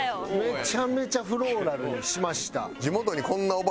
めちゃめちゃ「フローラル」にしました。